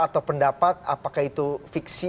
atau pendapat apakah itu fiksi